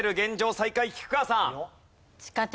最下位菊川さん。